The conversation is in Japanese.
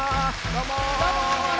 どうも。